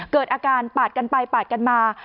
เกิดอาการปาดกันไปปาดกันมา